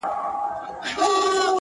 • په ښایستو بڼو کي پټ رنګین وو ښکلی -